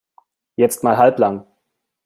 Jetzt mal halblang!